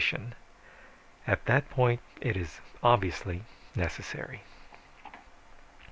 And at the point it is, obviously, Necessary.